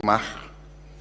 tapi pada prinsipnya